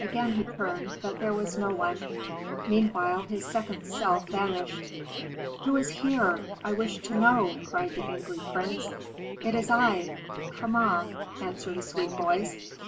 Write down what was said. Again he turned, but there was no one; meanwhile his second self vanished. "Who is here? I wish to know!" cried the angry prince. "It is I Kama," answered a sweet voice.